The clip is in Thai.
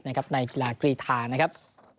ในกีฬากรีธานะครับ